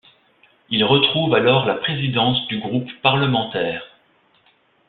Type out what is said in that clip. Il retrouve alors la présidence du groupe parlementaire.